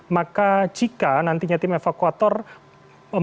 maka jika nantinya tim evakuator